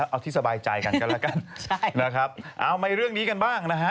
เอาที่สบายใจกันละกันเอามาเรื่องนี้กันบ้างนะฮะ